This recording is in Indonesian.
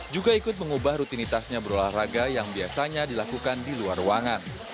juga ikut mengubah rutinitasnya berolahraga yang biasanya dilakukan di luar ruangan